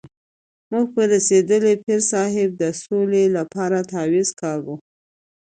موږ په رسېدلي پیر صاحب د سولې لپاره تعویض کاږو.